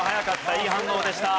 いい反応でした。